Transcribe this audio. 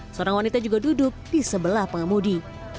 seorang wanita juga duduk di sebelah pengemudi